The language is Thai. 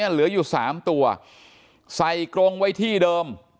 เหลืออยู่๓ตัวใส่กรงไว้ที่เดิม